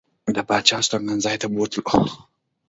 د پاچا هستوګنځي ته بوتلو.